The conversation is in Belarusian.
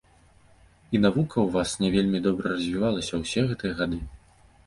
І навука ў вас не вельмі добра развівалася ўсе гэтыя гады.